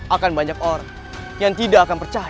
akan banyak orang yang tidak akan percaya